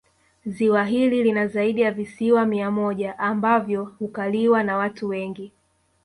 Ziwa hili lina zaidi ya visiwa mia moja ambavyo hukaliwa na watu wengi